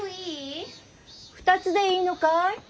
２つでいいのかい？